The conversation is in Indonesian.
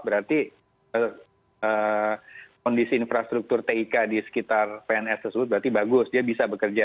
berarti kondisi infrastruktur tik di sekitar pns tersebut berarti bagus dia bisa bekerja